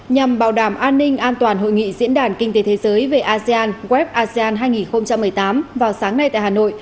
nhằm bảo đảm an ninh an toàn hội nghị diễn đàn kinh tế thế giới về asean web asean hai nghìn một mươi tám vào sáng nay tại hà nội